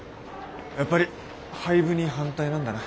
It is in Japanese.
やっぱり廃部に反対なんだな。